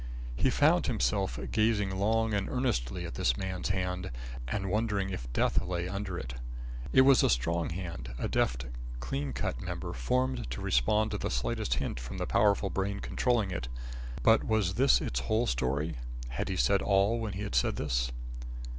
He found himself gazing long and earnestly at this man's hand, and wondering if death lay under it. It was a strong hand, a deft, clean cut member, formed to respond to the slightest hint from the powerful brain controlling it. But was this its whole story. Had he said all when he had said this?